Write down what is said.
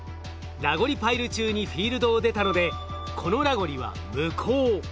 ラゴリパイル中にフィールドを出たのでこのラゴリは無効。